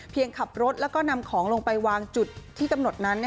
ขับรถแล้วก็นำของลงไปวางจุดที่กำหนดนั้น